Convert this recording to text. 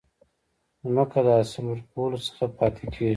ځمکه د حاصل ورکولو څخه پاتي کیږي.